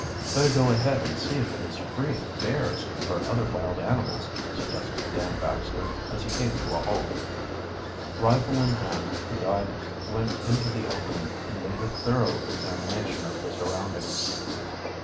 "Better go ahead and see if it is free of bears or other wild animals," suggested Dan Baxter, as he came to a halt. Rifle in hand the guide went into the opening, and made a thorough examination of the surroundings.